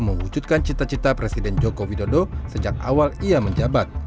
mewujudkan cita cita presiden joko widodo sejak awal ia menjabat